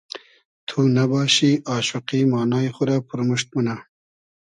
تو نئباشی آشوقی مانای خو رۂ پورموشت مونۂ